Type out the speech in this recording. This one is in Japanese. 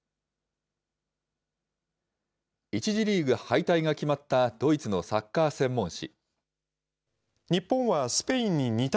１次リーグ敗退が決まったドイツのサッカー専門誌。